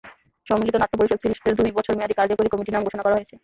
সম্মিলিত নাট্য পরিষদ সিলেটের দুই বছর মেয়াদি কার্যকরী কমিটির নাম ঘোষণা করা হয়েছে।